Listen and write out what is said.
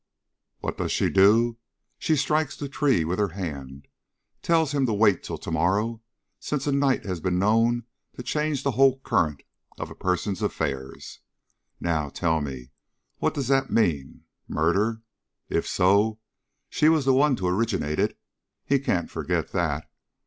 What does she do? She strikes the tree with her hand, and tells him to wait till to morrow, since a night has been known to change the whole current of a person's affairs. Now tell me what does that mean? Murder? If so, she was the one to originate it. He can't forget that.